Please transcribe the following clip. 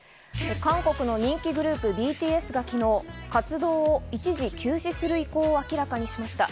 韓国の人気グループ、ＢＴＳが昨日、活動を一時休止する意向を明らかにしました。